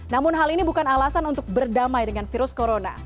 namun hal ini bukan alasan untuk berdamai dengan virus corona